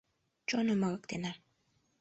Чоным ырыктена.